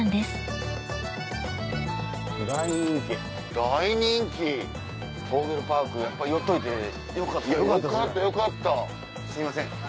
すいません。